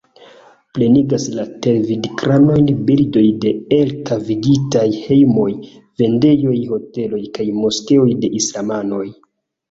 Plenigas la televidekranojn bildoj de elkavigitaj hejmoj, vendejoj, hoteloj kaj moskeoj de islamanoj.